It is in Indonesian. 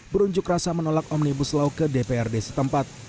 berunjuk rasa menolak omnibus law ke dprd setempat